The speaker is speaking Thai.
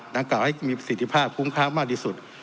กล่าวให้มีประสิทธิภาพคุ้มค่ามากที่สุด